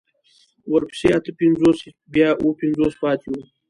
ورپسې اته پنځوس بيا اوه پنځوس پاتې وي.